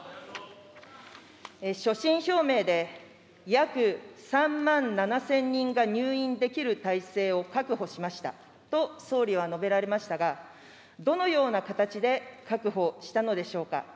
所信表明で、約３万７０００人が入院できる体制を確保しましたと、総理は述べられましたが、どのような形で確保したのでしょうか。